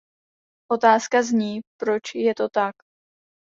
Otázka zní, proč je to tak.